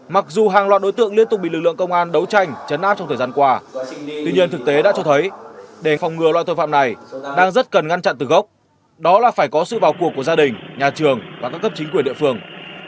mặc dù hàng loạt đối tượng liên tục bị lực lượng công an đấu tranh chấn áp trong thời gian qua tuy nhiên thực tế đã cho thấy để phòng ngừa loại tội phạm này đang rất cần ngăn chặn từ gốc đó là phải có sự vào cuộc của gia đình nhà trường và các cấp chính quyền địa phương